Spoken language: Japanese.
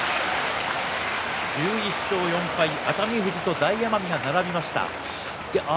１１勝４敗熱海富士と大奄美が並びました。